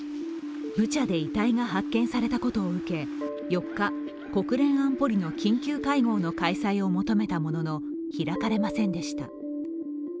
ブチャで遺体が発見されたことを受け、４日、国連安保理の緊急会合の開催を求めたものの開かれませんでした。